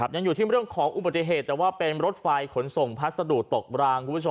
ยังอยู่ที่เรื่องของอุบัติเหตุแต่ว่าเป็นรถไฟขนส่งพัสดุตกรางคุณผู้ชม